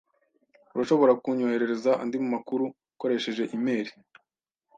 Urashobora kunyoherereza andi makuru ukoresheje imeri?